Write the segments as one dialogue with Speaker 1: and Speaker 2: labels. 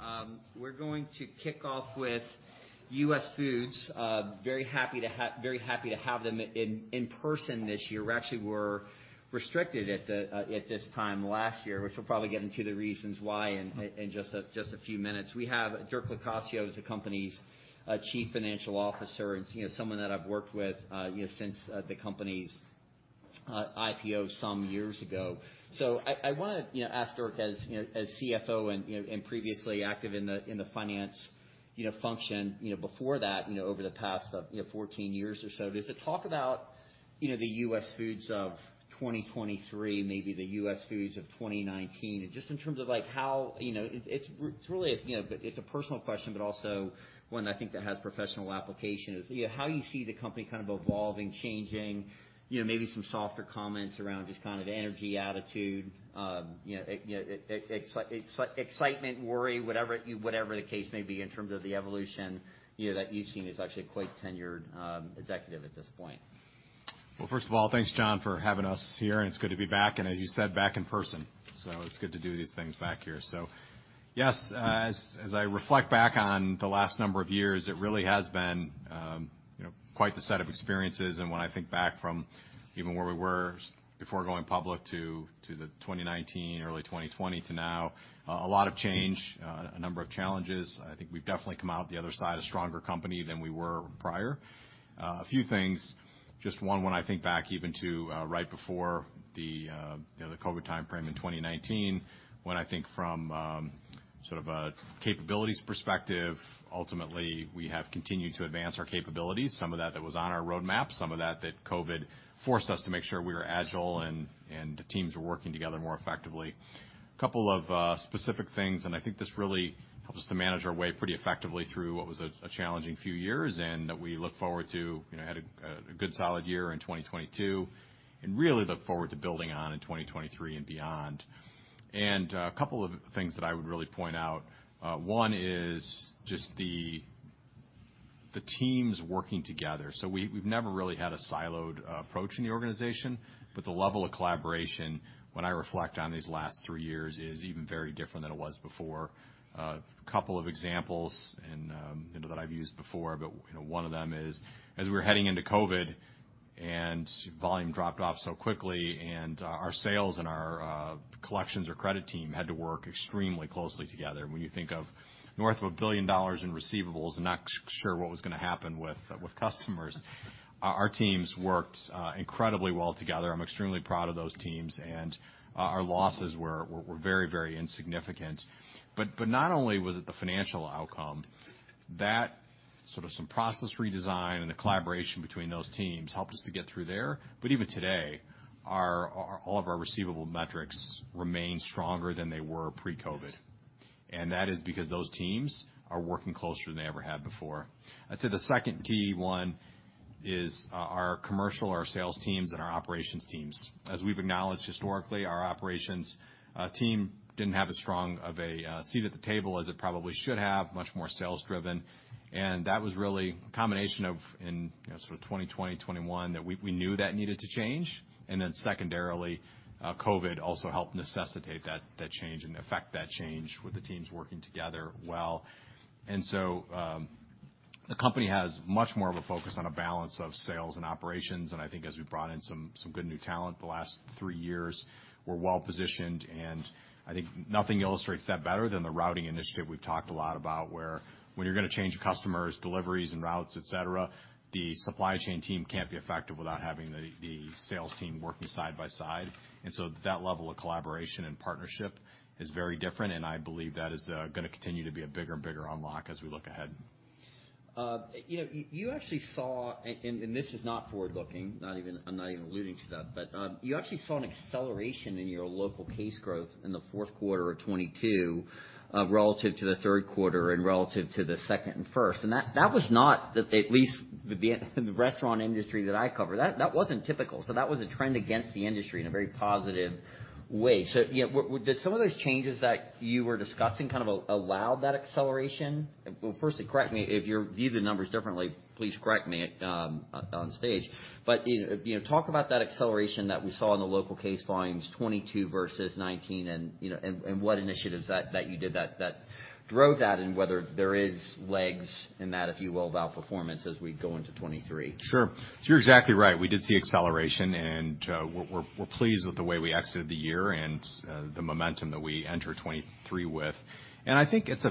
Speaker 1: Thank you. We're going to kick off with US Foods. very happy to have them in person this year. We actually were restricted at at this time last year, which we'll probably get into the reasons why in just a few minutes. We have Dirk Locascio, who's the company's Chief Financial Officer and someone that I've worked with since the company's IPO some years ago. I want to ask Dirk as as CFO and and previously active in the finance function before that over the past 14 years or so. Just to talk about the US Foods of 2023, maybe the US Foods of 2019. Just in terms of, like, how., it's really a it's a personal question, but also one That has professional application is how you see the company evolving, changing maybe some softer comments around just energy, attitude excitement, worry, whatever you, whatever the case may be in terms of the evolution that you've seen as actually a quite tenured executive at this point.
Speaker 2: Well, first of all, thanks, John, for having us here, and it's good to be back, and as you said, back in person. It's good to do these things back here. Yes, as I reflect back on the last number of years, it really has been quite the set of experiences. When I think back from even where we were before going public to the 2019, early 2020 to now, a lot of change, a number of challenges. We've definitely come out the other side a stronger company than we were prior. A few things, just one when I think back even to, right before the the COVID timeframe in 2019, when from a capabilities perspective, ultimately, we have continued to advance our capabilities, some of that was on our roadmap, some of that COVID forced us to make sure we were agile and the teams were working together more effectively. Couple of specific things, this really helped us to manage our way pretty effectively through what was a challenging few years, we look forward to had a good solid year in 2022 and really look forward to building on in 2023 and beyond. A couple of things that I would really point out. One is just the teams working together. We've never really had a siloed approach in the organization, but the level of collaboration when I reflect on these last three years is even very different than it was before. A couple of examples and that I've used before, but one of them is as we were heading into COVID and volume dropped off so quickly and our sales and our collections or credit team had to work extremely closely together. When you think of north of $1 billion in receivables and not sure what was going to happen with customers, our teams worked incredibly well together. I'm extremely proud of those teams, and our losses were very, very insignificant. Not only was it the financial outcome, that some process redesign and the collaboration between those teams helped us to get through there. Even today, all of our receivable metrics remain stronger than they were pre-COVID. That is because those teams are working closer than they ever had before. I'd say the second key one is our commercial, our sales teams, and our operations teams. As we've acknowledged historically, our operations team didn't have as strong of a seat at the table as it probably should have, much more sales-driven. That was really a combination of sort of 2020, 2021 that we knew that needed to change. Secondarily, COVID also helped necessitate that change and effect that change with the teams working together well. The company has much more of a focus on a balance of sales and operations. As we brought in some good new talent the last three years, we're well positioned. Nothing illustrates that better than the routing initiative we've talked a lot about, where when you're going to change customers deliveries and routes, et cetera, the supply chain team can't be effective without having the sales team working side by side. That level of collaboration and partnership is very different, and I believe that is going to continue to be a bigger and bigger unlock as we look ahead.
Speaker 1: You actually saw, and this is not forward-looking, I'm not even alluding to that, but, you actually saw an acceleration in your local case growth in the fourth quarter of 2022, relative to the third quarter and relative to the second and first. That was not the, at least the restaurant industry that I cover. That wasn't typical. That was a trend against the industry in a very positive way. Did some of those changes that you were discussing allowed that acceleration? Well, firstly, correct me if you view the numbers differently, please correct me, on stage. Talk about that acceleration that we saw in the local case volumes, 2022 versus 2019 and and what initiatives that you did that drove that and whether there is legs in that, if you will, of outperformance as we go into 2023.
Speaker 2: Sure. You're exactly right. We did see acceleration, and we're pleased with the way we exited the year and the momentum that we enter 2023 with. It's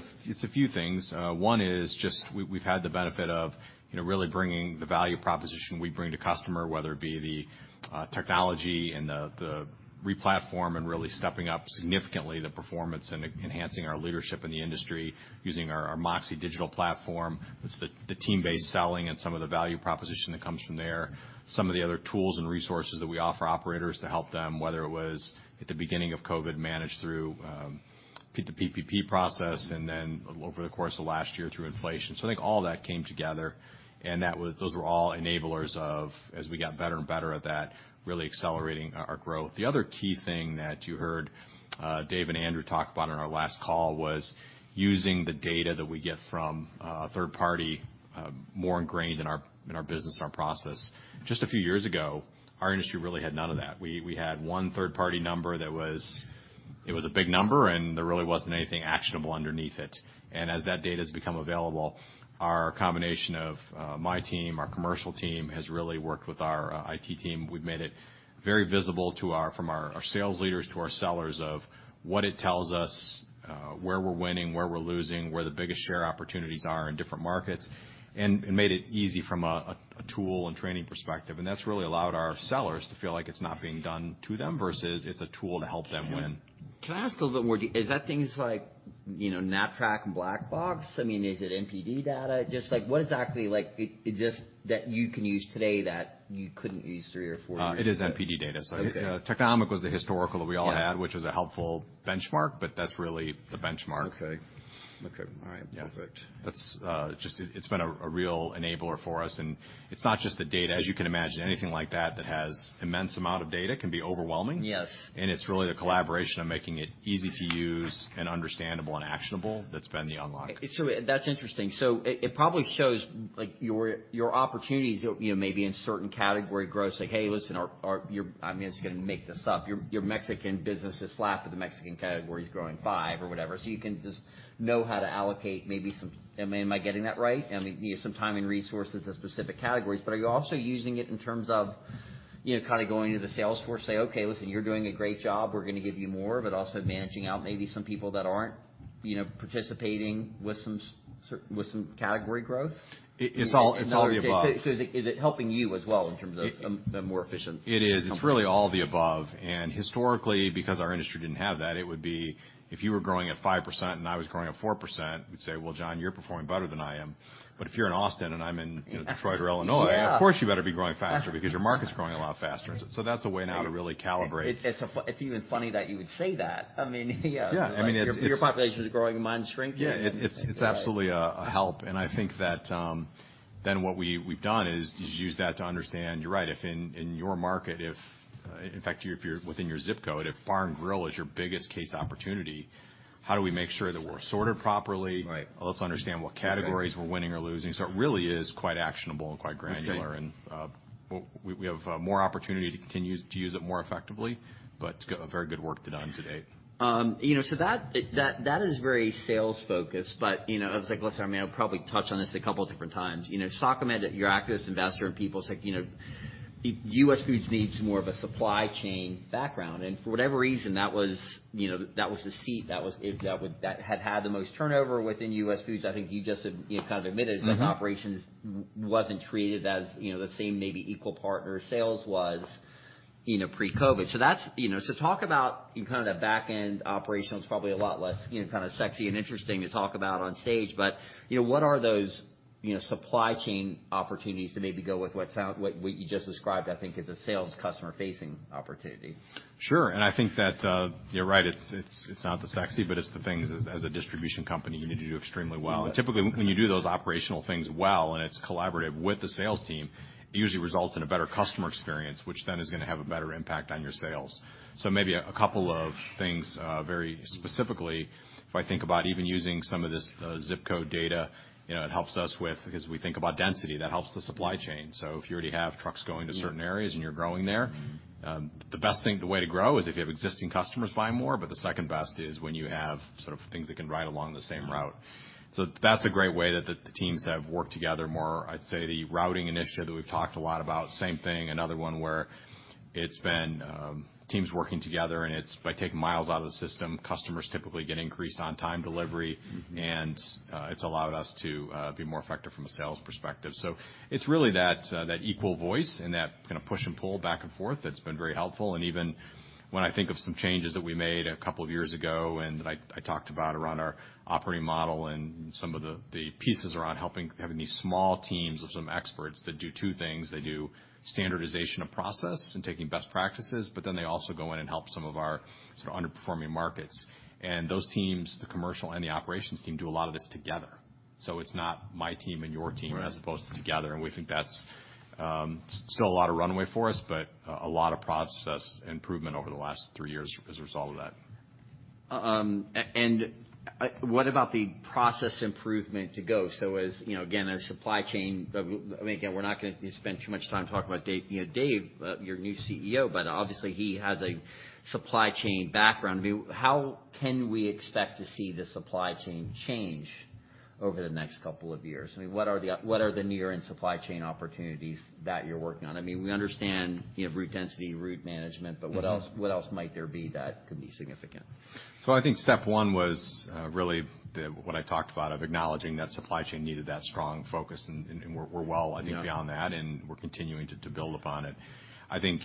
Speaker 2: a few things. One is just we've had the benefit of really bringing the value proposition we bring to customer, whether it be the technology and the replatform and really stepping up significantly the performance and enhancing our leadership in the industry using our MOXē digital platform. It's the team-based selling and some of the value proposition that comes from there. Some of the other tools and resources that we offer operators to help them, whether it was at the beginning of COVID, manage through the PPP process and then over the course of last year through inflation. All that came together, and those were all enablers of as we got better and better at that, really accelerating our growth. The other key thing that you heard Dave Flitman and Andrew talk about on our last call was using the data that we get from third party, more ingrained in our business, our process. Just a few years ago, our industry really had none of that. We had one third party number that was. It was a big number, and there really wasn't anything actionable underneath it. As that data's become available, our combination of my team, our commercial team, has really worked with our IT team. We've made it very visible to our sales leaders to our sellers of what it tells us, where we're winning, where we're losing, where the biggest share opportunities are in different markets, and made it easy from a tool and training perspective. That's really allowed our sellers to feel like it's not being done to them versus it's a tool to help them win.
Speaker 1: Can I ask a little bit more? Is that things like NATRAC and Black Box? I mean, is it NPD data? Just like, what exactly like exist that you can use today that you couldn't use three or four years ago?
Speaker 2: It is NPD data.
Speaker 1: Okay.
Speaker 2: Technomic was the historical that we all which is a helpful benchmark, but that's really the benchmark.
Speaker 1: Okay. Okay. All right. Perfect.
Speaker 2: Yeah. That's it's been a real enabler for us. It's not just the data. As you can imagine, anything like that that has immense amount of data can be overwhelming.
Speaker 1: Yes.
Speaker 2: It's really the collaboration of making it easy to use and understandable and actionable that's been the unlock.
Speaker 1: That's interesting. It probably shows, your opportunities maybe in certain category growth, say, "Hey, listen, our," I'm just going to make this up. "Your Mexican business is flat, but the Mexican category is growing five or whatever." You can just know how to allocate maybe some... Am I getting that right? You need some time and resources in specific categories. Are you also using it in terms of going to the sales force, say, "Okay, listen, you're doing a great job. We're going to give you more," but also managing out maybe some people that aren't participating with some with some category growth?
Speaker 2: It's all of the above.
Speaker 1: Is it helping you as well in terms of a more efficient company?
Speaker 2: It is. It's really all of the above. Historically, because our industry didn't have that, it would be if you were growing at 5% and I was growing at 4%, we'd say, "Well, John, you're performing better than I am." If you're in Austin and I'm in Detroit or Illinois of course, you better be growing faster because your market's growing a lot faster. That's a way now to really calibrate.
Speaker 1: It's, it's even funny that you would say that. I mean, yeah.
Speaker 2: Yeah. I mean,
Speaker 1: Like, your population is growing, mine's shrinking.
Speaker 2: Yeah. It's absolutely a help. That, then what we've done is use that to understand, you're right, if in your market if, in fact, you're within your zip code, if bar and grill is your biggest case opportunity, how do we make sure that we're sorted properly?
Speaker 1: Right.
Speaker 2: Let's understand what categories we're winning or losing. It really is quite actionable and quite granular.
Speaker 1: Okay.
Speaker 2: We have more opportunity to continue to use it more effectively, but very good work done to date.
Speaker 1: That is very sales-focused. I was like, listen, I'll probably touch on this a couple different times. Sachem Head, your activist investor in people, it's US Foods needs more of a supply chain background. For whatever reason that was the seat that had the most turnover within US Foods. You just admitted that operations wasn't treated as the same, maybe equal partner sales was pre-COVID. So talk about in the back-end operations, probably a lot less sexy and interesting to talk about on stage. What are those supply chain opportunities to maybe go with what you just described as a sales customer-facing opportunity?
Speaker 2: Sure, that, you're right. It's not the sexy, but it's the things as a distribution company, you need to do extremely well. Typically, when you do those operational things well, and it's collaborative with the sales team, it usually results in a better customer experience, which then is going to have a better impact on your sales. Maybe a couple of things, very specifically, if about even using some of this zip code data it helps us with. Because we think about density, that helps the supply chain. If you already have trucks going to certain areas and you're growing. The best thing, the way to grow is if you have existing customers buying more. The second best is when you have sort of things that can ride along the same route. That's a great way that the teams have worked together more. I'd say the routing initiative that we've talked a lot about, same thing. Another one where it's been teams working together, and it's by taking miles out of the system, customers typically get increased on-time delivery. It's allowed us to be more effective from a sales perspective. It's really that equal voice and that push and pull back and forth that's been very helpful. Even when of some changes that we made a couple of years ago and that I talked about around our operating model and some of the pieces around having these small teams of some experts that do two things. They do standardization of process and taking best practices, they also go in and help some of our sort of underperforming markets. Those teams, the commercial and the operations team, do a lot of this together. It's not my team and your team as opposed to together. We think that's still a lot of runway for us, but a lot of process improvement over the last 3 years as a result of that.
Speaker 1: And what about the process improvement to go? As again, a supply chain, again, we're not going to spend too much time talking about, Dave Flitman, your new CEO, but obviously, he has a supply chain background. How can we expect to see the supply chain change over the next couple of years? What are the, what are the near-end supply chain opportunities that you're working on? We understand, you have route density, route management. What else might there be that could be significant?
Speaker 2: Step one was really what I talked about of acknowledging that supply chain needed that strong focus, and we're well, beyond that, and we're continuing to build upon it.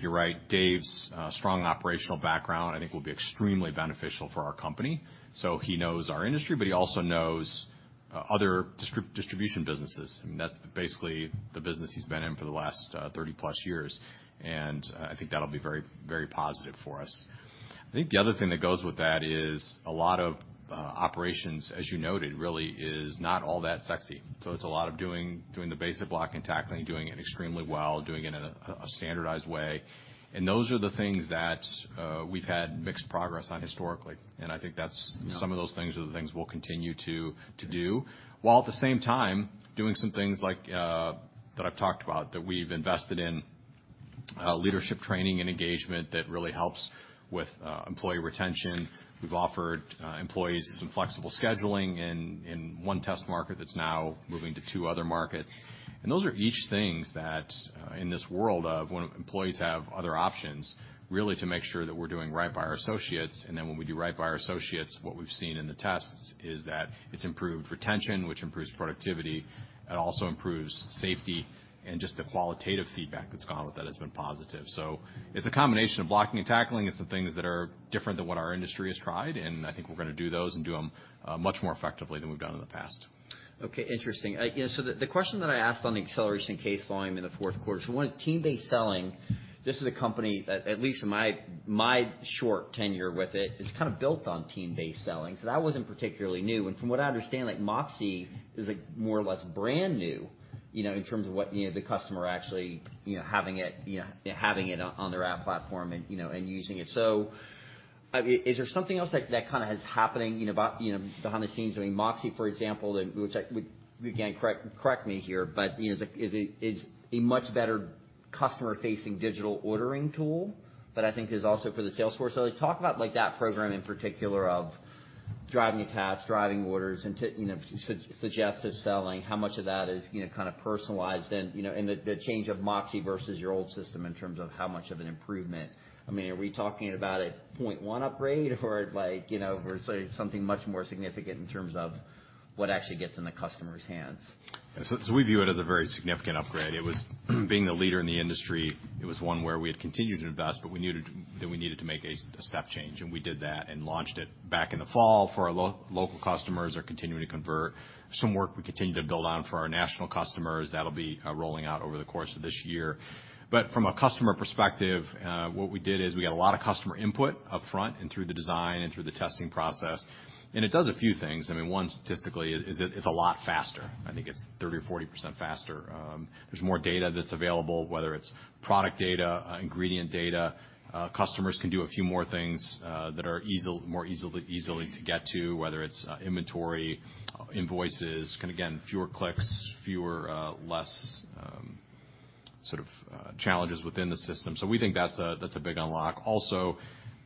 Speaker 2: You're right. Dave Flitman's strong operational background, will be extremely beneficial for our company. He knows our industry, but he also knows other distribution businesses. I mean, that's basically the business he's been in for the last 30 plus years. That'll be very positive for us. The other thing that goes with that is a lot of operations, as you noted, really is not all that sexy. It's a lot of doing the basic block and tackling, doing it extremely well, doing it in a standardized way. Those are the things that we've had mixed progress on historically, some of those things are the things we'll continue to do. While at the same time, doing some things like that I've talked about, that we've invested in leadership training and engagement that really helps with employee retention. We've offered employees some flexible scheduling in 1 test market that's now moving to 2 other markets. Those are each things that in this world of when employees have other options, really to make sure that we're doing right by our associates. Then when we do right by our associates, what we've seen in the tests is that it's improved retention, which improves productivity. It also improves safety and just the qualitative feedback that's gone with that has been positive. It's a combination of blocking and tackling. It's the things that are different than what our industry has tried, and we're going to do those and do them much more effectively than we've done in the past.
Speaker 1: Okay, interesting. The question that I asked on the acceleration case volume in the fourth quarter. One is team-based selling. This is a company that, at least in my short tenure with it, is built on team-based selling. That wasn't particularly new, and from what I understand, like, MOXē is, like, more or less brand new in terms of what the customer actually having it having it on their app platform and and using it. Is there something else that is happening behind the scenes? MOXē, for example, which again, correct me here, but is a much better customer-facing digital ordering tool that is also for the sales force. Talk about, like, that program in particular of driving attach, driving orders and to suggestive selling. How much of that is personalized then? The change of MOXē versus your old system in terms of how much of an improvement. I mean, are we talking about a 0.1 upgrade or like or sorry, something much more significant in terms of what actually gets in the customer's hands?
Speaker 2: We view it as a very significant upgrade. It was being the leader in the industry. It was one where we had continued to invest, but we needed to make a step change, and we did that and launched it back in the fall for our local customers are continuing to convert. Some work we continue to build on for our national customers. That'll be rolling out over the course of this year. From a customer perspective, what we did is we got a lot of customer input upfront and through the design and through the testing process. It does a few things. I mean, one, statistically it's a lot faster. It's 30% or 40% faster. There's more data that's available, whether it's product data, ingredient data. Customers can do a few more things that are more easily to get to, whether it's inventory, invoices and again, fewer clicks, fewer less, sort of, challenges within the system. That's a big unlock.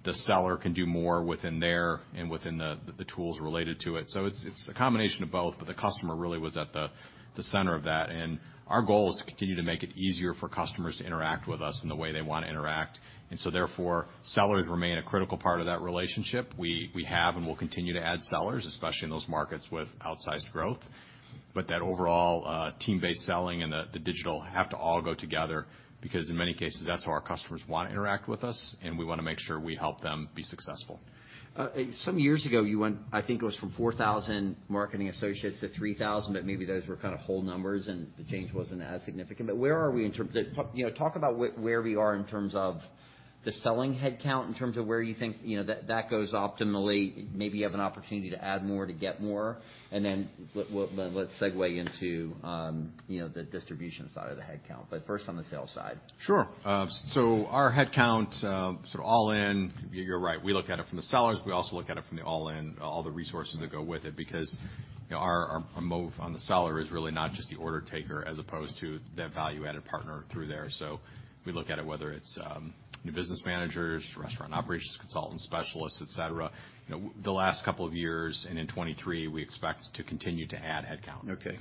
Speaker 2: The seller can do more within there and within the tools related to it. It's, it's a combination of both, but the customer really was at the center of that. Our goal is to continue to make it easier for customers to interact with us in the way they want to interact. Sellers remain a critical part of that relationship. We have and will continue to add sellers, especially in those markets with outsized growth. That overall, team-based selling and the digital have to all go together, because in many cases, that's how our customers want to interact with us, and we want to make sure we help them be successful.
Speaker 1: Some years ago, you went, it was from 4,000 marketing associates to 3,000, but maybe those were whole numbers and the change wasn't as significant. Where are we in terms? Talk about where we are in terms of the selling headcount, in terms of where you think that goes optimally. Maybe you have an opportunity to add more to get more. Then let's segue into the distribution side of the headcount. First on the sales side.
Speaker 2: Sure. Our headcount, sort of all in. You're right. We look at it from the sellers. We also look at it from the all in, all the resources that go with it, because our on the seller is really not just the order taker as opposed to the value-added partner through there. We look at it, whether it's new business managers, restaurant operations consultants, specialists, et cetera., the last couple of years and in 2023, we expect to continue to add headcount.
Speaker 1: Okay.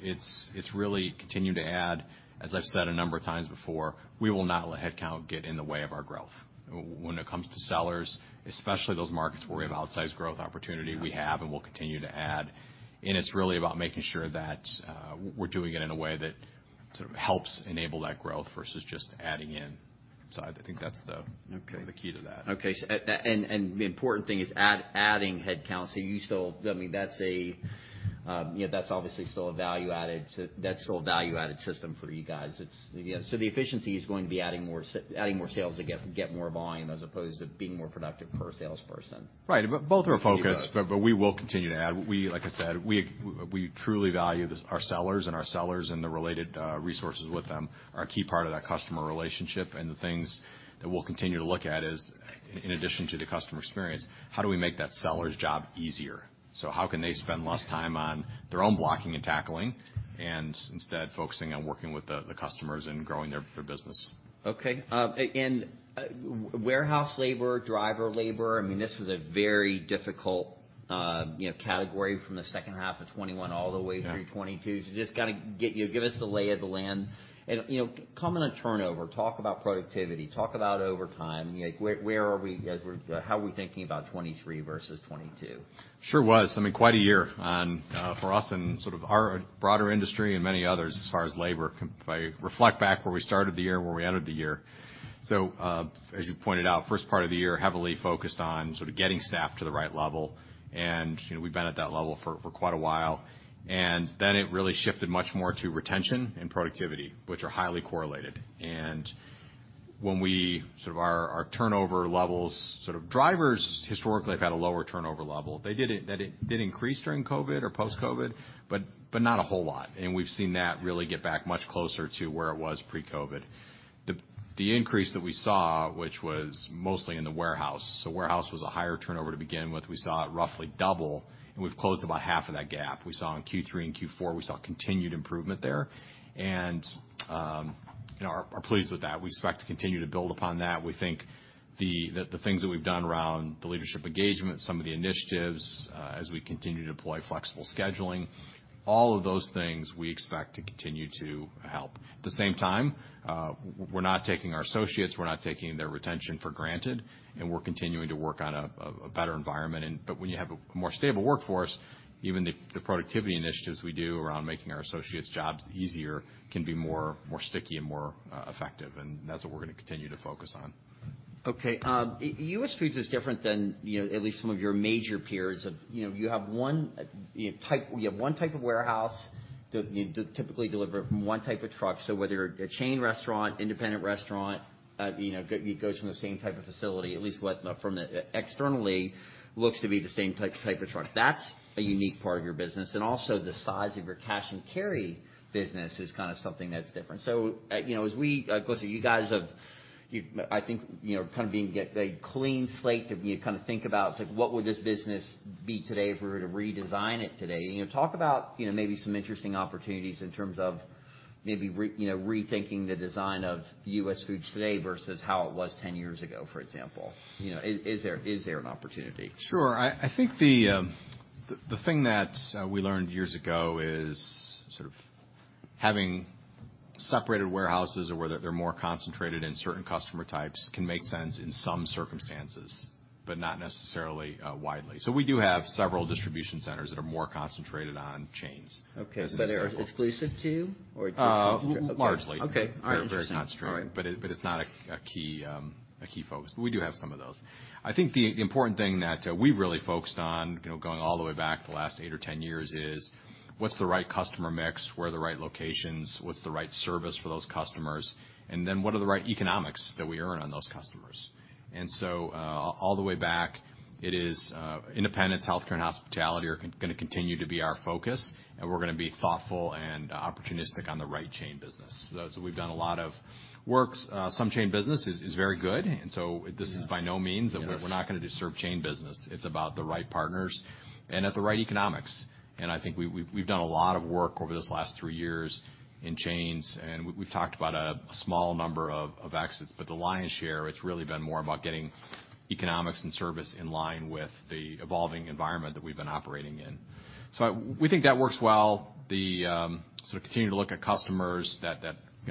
Speaker 2: It's really continued to add. As I've said a number of times before, we will not let headcount get in the way of our growth. When it comes to sellers, especially those markets where we have outsized growth opportunity, we have and will continue to add. It's really about making sure that we're doing it in a way that sort of helps enable that growth versus just adding in. That's the key to that.
Speaker 1: Okay. The important thing is adding headcount. You still... I mean, that's a that's obviously still a value-added system for you guys. The efficiency is going to be adding more sales to get more volume as opposed to being more productive per salesperson.
Speaker 2: Right. Both are a focus we will continue to add. We, like I said, we truly value our sellers and the related resources with them are a key part of that customer relationship. The things that we'll continue to look at is, in addition to the customer experience, how do we make that seller's job easier? How can they spend less time on their own blocking and tackling and instead focusing on working with the customers and growing their business.
Speaker 1: Warehouse labor, driver labor, I mean, this was a very difficult category from the second half of 2021 all the way through 2022., give us the lay of the land., comment on turnover. Talk about productivity. Talk about overtime., where are we, how are we thinking about 2023 versus 2022?
Speaker 2: Sure was. I mean, quite a year for us and our broader industry and many others as far as labor. If I reflect back where we started the year, where we ended the year. So as you pointed out first part of the year heavily focused on getting snapped to the right level and we have been at that level for quite a while and that ain't really shifted to much more to retention in productivity but we are highly qualited and When we sort of our turnover levels, sort of drivers historically have had a lower turnover level. That it did increase during COVID or post-COVID, but not a whole lot. We've seen that really get back much closer to where it was pre-COVID. The increase that we saw, which was mostly in the warehouse, so warehouse was a higher turnover to begin with. We saw it roughly double, and we've closed about half of that gap. We saw in Q3 and Q4, we saw continued improvement there are pleased with that. We expect to continue to build upon that. We think that the things that we've done around the leadership engagement, some of the initiatives, as we continue to deploy flexible scheduling, all of those things we expect to continue to help. At the same time, we're not taking our associates, we're not taking their retention for granted, and we're continuing to work on a better environment. When you have a more stable workforce, even the productivity initiatives we do around making our associates jobs easier can be more sticky and more effective. That's what we're going to continue to focus on.
Speaker 1: Okay. US Foods is different than at least some of your major peers of you have one type of warehouse to you typically deliver from one type of truck. Whether a chain restaurant, independent restaurant it goes from the same type of facility, at least what externally looks to be the same type of truck. That's a unique part of your business. Also the size of your cash and carry business is something that's different. As we, of course, you guys have, being a clean slate to be able to think about is like, what would this business be today if we were to redesign it today? Talk about maybe some interesting opportunities in terms of maybe, rethinking the design of US Foods today versus how it was 10 years ago, for example. Is there an opportunity?
Speaker 2: Sure. The thing that we learned years ago is sort of having separated warehouses or whether they're more concentrated in certain customer types can make sense in some circumstances, but not necessarily widely. We do have several distribution centers that are more concentrated on chains.
Speaker 1: Okay.
Speaker 2: As an example.
Speaker 1: Are exclusive to you or?
Speaker 2: Largely.
Speaker 1: Okay. All right. Fair enough.
Speaker 2: Very concentrated.
Speaker 1: All right.
Speaker 2: It's not a key, a key focus, but we do have some of those. The important thing that we've really focused on going all the way back the last eight or 10 years is what's the right customer mix, where are the right locations, what's the right service for those customers, and then what are the right economics that we earn on those customers. All the way back it is, independence, health care, and hospitality are going to continue to be our focus, and we're going to be thoughtful and opportunistic on the right chain business. We've done a lot of work. Some chain business is very good. This is by no means that we're not going to serve chain business. It's about the right partners and at the right economics. We've done a lot of work over this last three years in chains, and we've talked about a small number of exits, but the lion's share, it's really been more about getting economics and service in line with the evolving environment that we've been operating in. We think that works well. The sort of continuing to look at customers that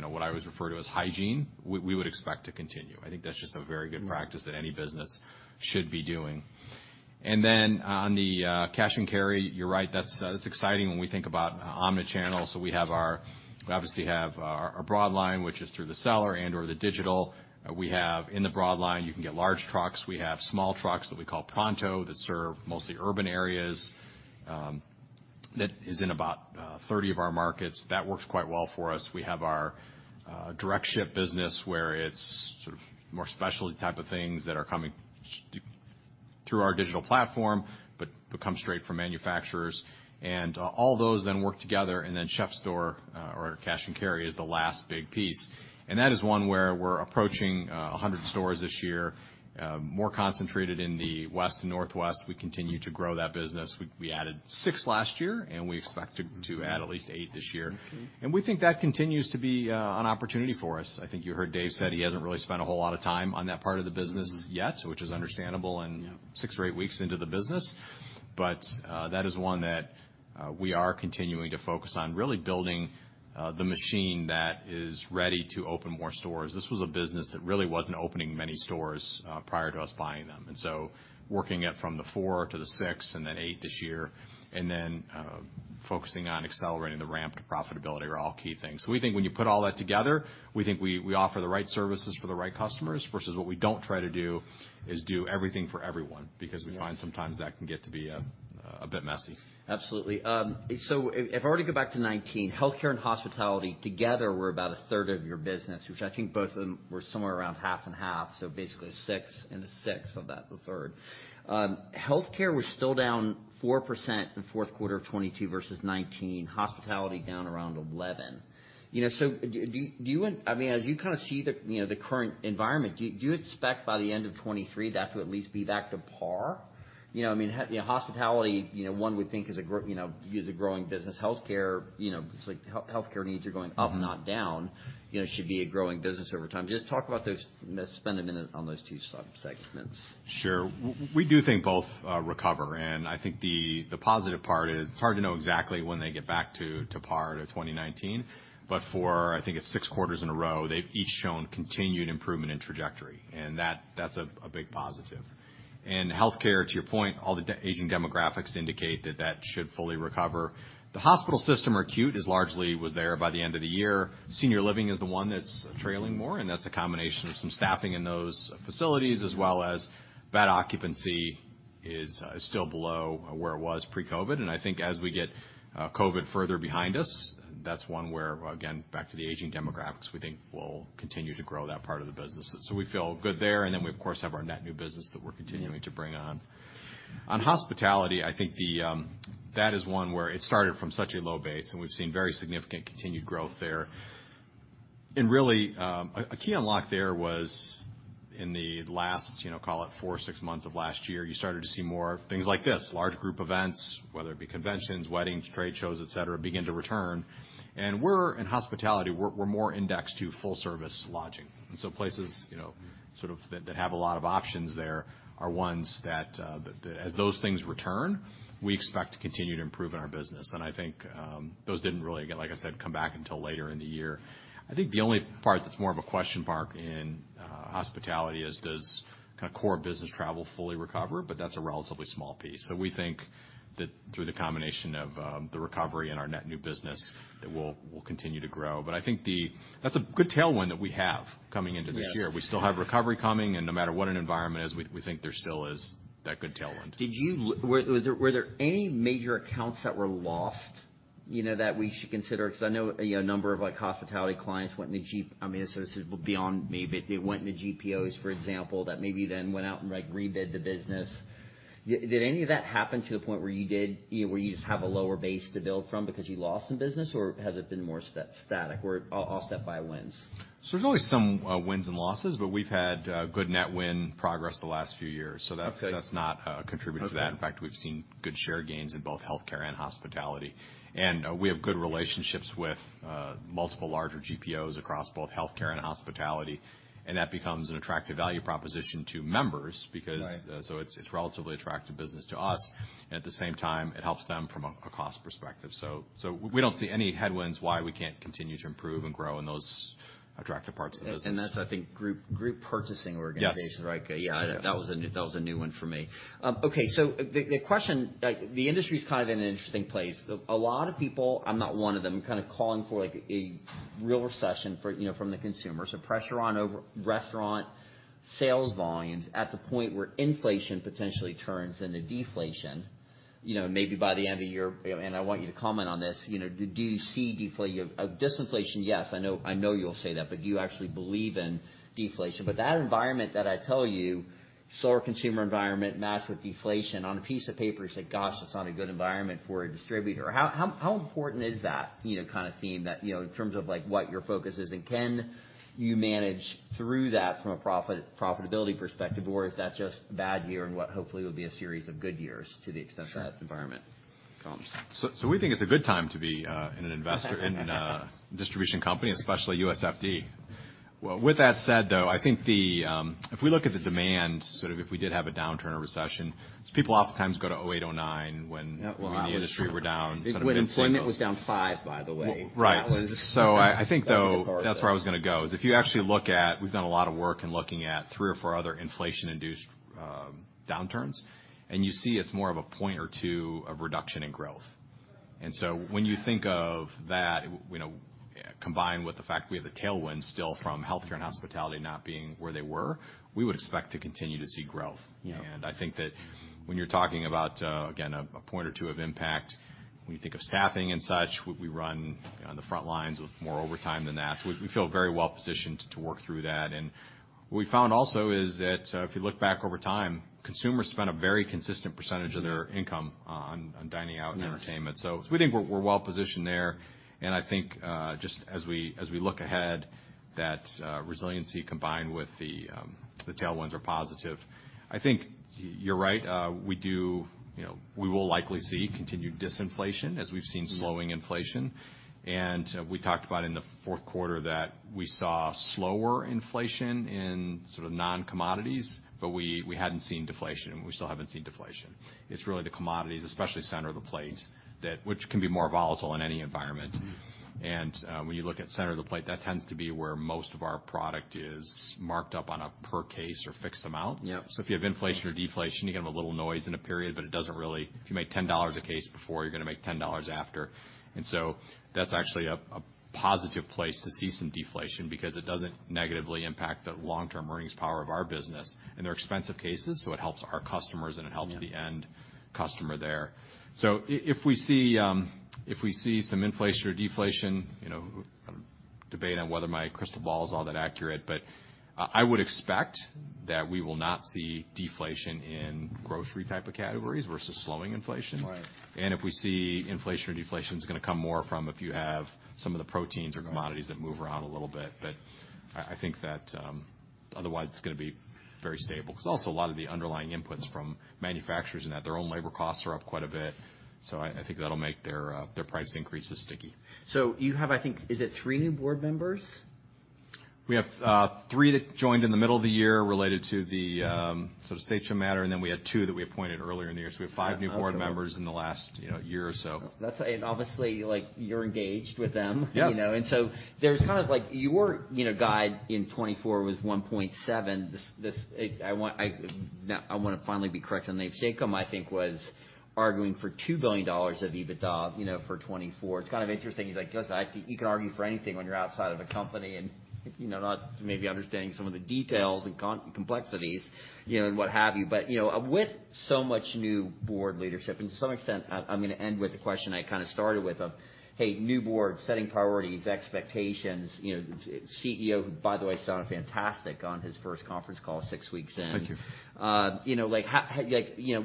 Speaker 2: what I always refer to as hygiene, we would expect to continue. That's just a very good practice that any business should be doing. Then on the cash and carry, you're right, that's exciting when we think about omnichannel. We obviously have our broadline, which is through the seller and/or the digital. We have in the broadline, you can get large trucks. We have small trucks that we call Pronto that serve mostly urban areas, that is in about 30 of our markets. That works quite well for us. We have our Direct Ship business where it's sort of more specialty type of things that are coming through our digital platform, but come straight from manufacturers. All those then work together, and then CHEF'STORE, or cash and carry is the last big piece. That is one where we're approaching 100 stores this year, more concentrated in the West and Northwest. We continue to grow that business. We added six last year, and we expect to add at least eight this year. We think that continues to be an opportunity for us. You heard Dave Flitman said he hasn't really spent a whole lot of time on that part of the business yet, which is understandable and six or eight weeks into the business. That is one that we are continuing to focus on, really building the machine that is ready to open more stores. This was a business that really wasn't opening many stores prior to us buying them. Working it from the four to the six and then eight this year, and then focusing on accelerating the ramp to profitability are all key things. When you put all that together, we offer the right services for the right customers versus what we don't try to do is do everything for everyone because we find sometimes that can get to be a bit messy.
Speaker 1: Absolutely. If I were to go back to 2019, healthcare and hospitality together were about a third of your business, which both of them were somewhere around half and half, so basically a sixth and a sixth of that, a third. Healthcare was still down 4% in fourth quarter of 2022 versus 2019. Hospitality down around 11%., do you, I mean, as you see the the current environment, do you expect by the end of 2023 that to at least be back to par? Hospitality one would think is a is a growing business. healthcare it's like healthcare needs are going up, not down should be a growing business over time. Just talk about those, let's spend a minute on those two sub-segments.
Speaker 2: Sure. We do think both recover. The positive part is it's hard to know exactly when they get back to par to 2019, but for It's 6 quarters in a row, they've each shown continued improvement in trajectory, and that's a big positive. Healthcare, to your point, all the aging demographics indicate that should fully recover. The hospital system acute is largely was there by the end of the year. Senior living is the one that's trailing more, and that's a combination of some staffing in those facilities as well as bed occupancy is still below where it was pre-COVID. As we get COVID further behind us, that's one where, again, back to the aging demographics, we think we'll continue to grow that part of the business. We feel good there, we of course, have our net new business that we're continuing to bring on. On hospitality, that is one where it started from such a low base, and we've seen very significant continued growth there. Really, a key unlock there was in the last call it four or six months of last year, you started to see more things like this, large group events, whether it be conventions, weddings, trade shows, et cetera, begin to return. We're in hospitality, we're more indexed to full service lodging, places sort of that have a lot of options there are ones that as those things return, we expect to continue to improve in our business. Those didn't really, again, like I said, come back until later in the year. The only part that's more of a question mark in hospitality is does core business travel fully recover? That's a relatively small piece. We think that through the combination of the recovery in our net new business that we'll continue to grow. That's a good tailwind that we have coming into this year. We still have recovery coming. No matter what an environment is, we think there still is that good tailwind.
Speaker 1: Were there any major accounts that were lost that we should consider? I know a number of like hospitality clients went into GPOs. I mean, this is beyond me, but they went into GPOs, for example, that maybe then went out and like rebid the business. Did any of that happen to the point where you did, where you just have a lower base to build from because you lost some business, or has it been more static? I'll step by wins.
Speaker 2: There's always some wins and losses, but we've had good net win progress the last few years.
Speaker 1: Okay.
Speaker 2: That's not contributed to that. In fact, we've seen good share gains in both healthcare and hospitality. We have good relationships with multiple larger GPOs across both healthcare and hospitality, and that becomes an attractive value proposition to members because. It's relatively attractive business to us. At the same time, it helps them from a cost perspective. We don't see any headwinds why we can't continue to improve and grow in those attractive parts of the business.
Speaker 1: That's group purchasing organization, right?
Speaker 2: Yes.
Speaker 1: That was a new one for me. Okay. The question, like, the industry's in an interesting place. A lot of people, I'm not one of them calling for like a real recession for from the consumer. Pressure on over restaurant sales volumes at the point where inflation potentially turns into deflation maybe by the end of year. I want you to comment on this do you see Of disinflation, yes. I know you'll say that, but do you actually believe in deflation? That environment that I tell you, slower consumer environment matched with deflation, on a piece of paper, you say, "Gosh, that's not a good environment for a distributor." How important is that theme that in terms of like what your focus is, and can you manage through that from a profitability perspective, or is that just a bad year in what hopefully will be a series of good years to the extent that environment comes?
Speaker 2: We think it's a good time to be, in a distribution company, especially USFD. With that said though the, if we look at the demand, sort of if we did have a downturn or recession, so people oftentimes go to 2008, 2009 when.
Speaker 1: Yeah. Well, that.
Speaker 2: I mean, the industry were down sort of mid-singles.
Speaker 1: When employment was down five, by the way.
Speaker 2: Right.
Speaker 1: That was-
Speaker 2: Though, that's where I was going to go, is if you actually look at, we've done a lot of work in looking at 3 or 4 other inflation-induced downturns, and you see it's more of a 1 or 2 of reduction in growth. When you think of that combined with the fact we have the tailwind still from healthcare and hospitality not being where they were, we would expect to continue to see growth, when you're talking about, again, a point or two of impact, when you think of staffing and such, we run on the front lines with more overtime than that. We feel very well positioned to work through that. What we found also is that, if you look back over time, consumers spend a very consistent % of their income on dining out and entertainment. We think we're well positioned there, just as we look ahead, that resiliency combined with the tailwinds are positive. You're right. We do we will likely see continued disinflation as we've seen slowing inflation. We talked about in the fourth quarter that we saw slower inflation in sort of non-commodities, but we hadn't seen deflation, and we still haven't seen deflation. It's really the commodities, especially center of the plate, which can be more volatile in any environment. When you look at center of the plate, that tends to be where most of our product is marked up on a per case or fixed amount. If you have inflation or deflation, you have a little noise in a period, but it doesn't really... If you make $10 a case before, you're going to make $10 after. That's actually a positive place to see some deflation because it doesn't negatively impact the long-term earnings power of our business. They're expensive cases, so it helps our customers, and it helps the end customer there. If we see, if we see some inflation or deflation debate on whether my crystal ball is all that accurate, but I would expect that we will not see deflation in grocery type of categories versus slowing inflation. If we see inflation or deflation is going to come more from if you have some of the proteins or commodities that move around a little bit. That otherwise, it's going to be very stable. Cause also a lot of the underlying inputs from manufacturers and that their own labor costs are up quite a bit. That'll make their price increases sticky.
Speaker 1: You have, is it three new board members?
Speaker 2: We have three that joined in the middle of the year related to the sort of Sachem matter, and then we had two that we appointed earlier in the year. We have 5 new board members in the last year or so.
Speaker 1: Obviously, like, you're engaged with them. There's like your guide in 2024 was $1.7 billion. I want to finally be correct on the name. Sachem, I think, was arguing for $2 billion of ebitda for 2024. It's interesting, he's like, "Listen, I think you can argue for anything when you're outside of a company," and not maybe understanding some of the details and complexities and what have you., with so much new board leadership, and to some extent, I'm going to end with the question I started with of, hey, new board, setting priorities, expectations CEO, who by the way, sounded fantastic on his first conference call six weeks in.
Speaker 2: Thank you.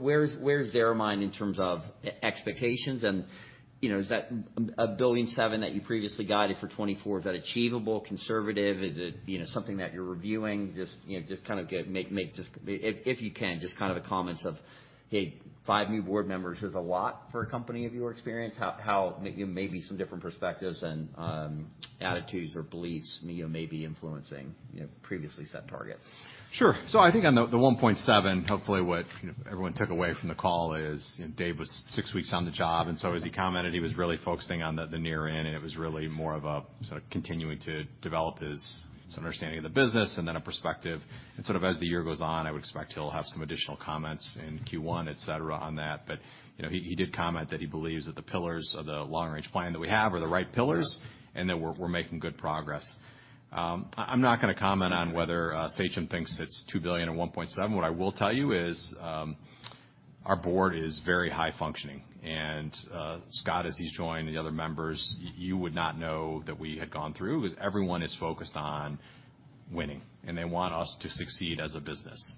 Speaker 1: Where is their mind in terms of expectations? Is that $1.7 billion that you previously guided for 2024, is that achievable, conservative? Is it something that you're reviewing? Just if you can, just the comments of, hey, five new board members is a lot for a company of your experience. How maybe some different perspectives and attitudes or beliefs may be influencing previously set targets.
Speaker 2: On the $1.7 billion, hopefully what everyone took away from the call is Dave was 6 weeks on the job, as he commented, he was really focusing on the near end, and it was really more of a sort of continuing to develop his sort of understanding of the business and then a perspective. Sort of as the year goes on, I would expect he'll have some additional comments in Q1, et cetera, on that., he did comment that he believes that the pillars of the long-range plan that we have are the right pillars and that we're making good progress. I'm not going to comment on whether Sachem thinks it's $2 billion or $1.7 billion. What I will tell you is, our board is very high functioning. Scott, as he's joined the other members, you would not know that we had gone through, because everyone is focused on winning, and they want us to succeed as a business.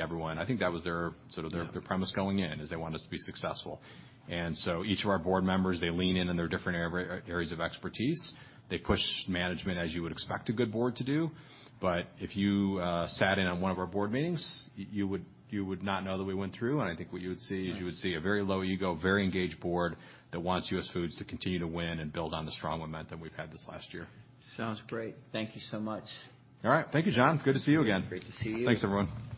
Speaker 2: Everyone. That was their, sort of their premise going in, is they want us to be successful. Each of our board members, they lean in in their different areas of expertise. They push management as you would expect a good board to do. If you sat in on one of our board meetings, you would not know that we went through. What you would see is you would see a very low ego, very engaged board that wants US Foods to continue to win and build on the strong momentum we've had this last year.
Speaker 1: Sounds great. Thank you so much.
Speaker 2: All right. Thank you, John Ivankoe. Good to see you again.
Speaker 1: Great to see you.
Speaker 2: Thanks, everyone.